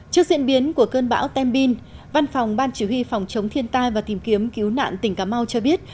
trước diễn biến của cơn bão tem bin văn phòng ban chỉ huy phòng chống thiên tai và tìm kiếm cứu nạn tỉnh cà mau cho biết